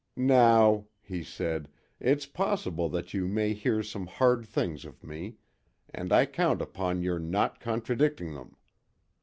"Now," he said, "it's possible that you may hear some hard things of me, and I count upon your not contradicting them.